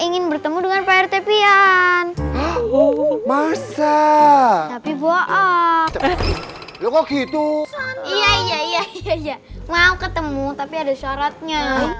ingin bertemu dengan pak rt pian masa tapi gua kok gitu iya mau ketemu tapi ada syaratnya